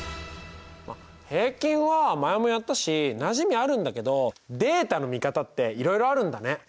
平均は前もやったしなじみあるんだけどデータの見方っていろいろあるんだね。